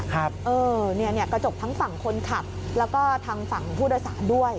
เออเนี่ยกระจกทั้งฝั่งคนขับแล้วก็ทางฝั่งผู้โดยสารด้วย